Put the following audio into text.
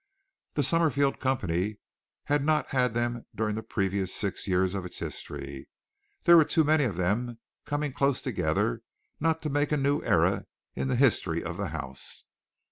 The Summerfield company had not had them during the previous six years of its history. There were too many of them coming close together not to make a new era in the history of the house.